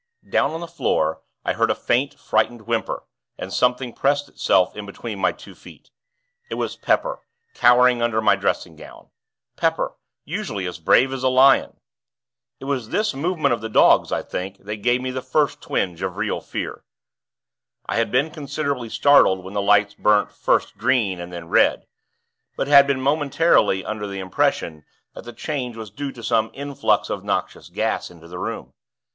Down on the floor, I heard a faint, frightened whimper, and something pressed itself in between my two feet. It was Pepper, cowering under my dressing gown. Pepper, usually as brave as a lion! It was this movement of the dog's, I think, that gave me the first twinge of real fear. I had been considerably startled when the lights burnt first green and then red; but had been momentarily under the impression that the change was due to some influx of noxious gas into the room.